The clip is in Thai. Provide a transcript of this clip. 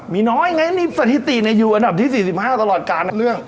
มีน้อยไงสถิติในยูส๗๕ตลอดการ